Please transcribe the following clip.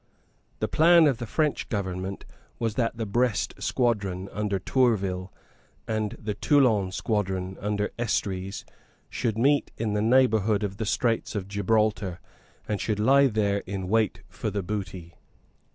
The plan of the French government was that the Brest squadron under Tourville and the Toulon squadron under Estrees should meet in the neighbourhood of the Straits of Gibraltar, and should there lie in wait for the booty.